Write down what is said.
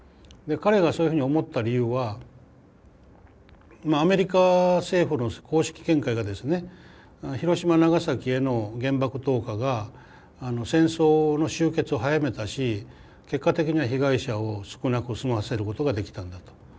彼がそういうふうに思った理由はアメリカ政府の公式見解がですね広島・長崎への原爆投下が戦争の終結を早めたし結果的には被害者を少なく済ませることができたんだと。